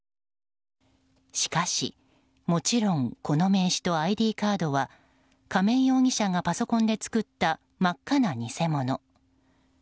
しかし、もちろんこの名刺とＩＤカードは亀井容疑者がパソコンで作った真っ赤な偽物。